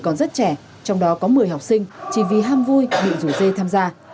còn rất trẻ trong đó có một mươi học sinh chỉ vì ham vui bị rủ dê tham gia